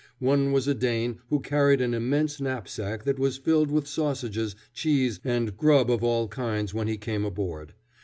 One was a Dane who carried an immense knapsack that was filled with sausages, cheese, and grub of all kinds when he came aboard.